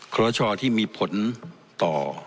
ครัวชัวร์ที่มีผลต่อ